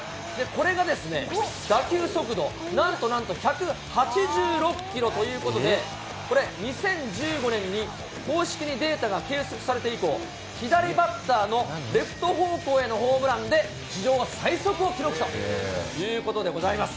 これが打球速度、なんとなんと１８６キロということで、これ、２０１５年に公式にデータが計測されて以降、左バッターのレフト方向へのホームランで、史上最速を記録したということでございます。